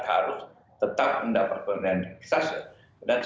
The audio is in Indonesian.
harus tetap mendapatkan kebenaran